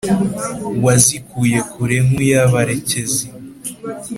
wazikuye kure nkuyabarekezi,